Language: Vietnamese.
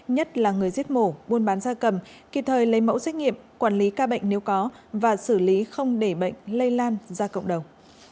nhất là người giết mổ buôn bán gia cầm kịp thời lấy mẫu xét nghiệm quản lý ca bệnh nếu có và xử lý không để bệnh lây lan ra cộng đồng